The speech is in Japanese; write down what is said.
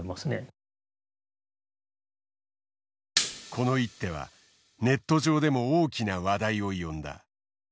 この一手はネット上でも大きな話題を呼んだ。